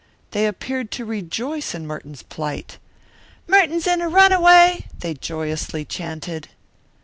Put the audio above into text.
They appeared to rejoice in Merton's plight. "Merton's in a runaway," they joyously chanted.